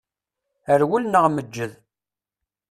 Rwel neɣ meǧǧed.